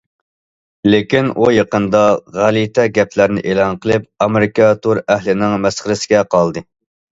لېكىن ئۇ يېقىندا غەلىتە گەپلەرنى ئېلان قىلىپ، ئامېرىكا تور ئەھلىنىڭ مەسخىرىسىگە قالدى.